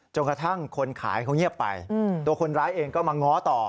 จนกระทั่งคนขายเขาเงียบไปตัวคนร้ายเองก็มาง้อต่อ